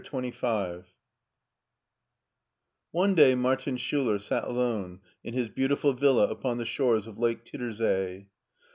CHAPTER XXV ONE day Martin Schtiler sat alone in his beauti ful villa upon the shores of lake Tittersee.